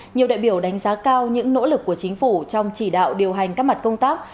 nhiều đại biểu đánh giá cao những nỗ lực của chính phủ trong chỉ đạo điều hành các mặt công tác